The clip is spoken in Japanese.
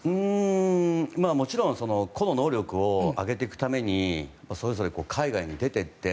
もちろん、個の能力を上げていくためにそれぞれ海外に出て行って。